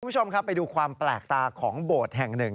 คุณผู้ชมครับไปดูความแปลกตาของโบสถ์แห่งหนึ่ง